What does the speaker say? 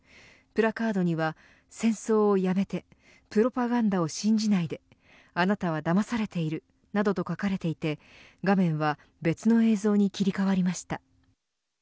プラカードには戦争をやめてプロパガンダを信じないであなたはだまされているなどと書かれていて画面は別の映像に切り替わりました。